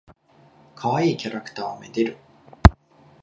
かわいいキャラクターを愛でる。